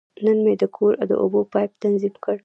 نن مې د کور د اوبو پایپ تنظیم کړ.